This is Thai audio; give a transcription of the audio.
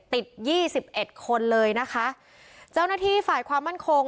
ยี่สิบเอ็ดคนเลยนะคะเจ้าหน้าที่ฝ่ายความมั่นคง